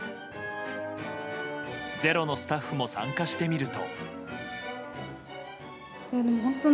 「ｚｅｒｏ」のスタッフも参加してみると。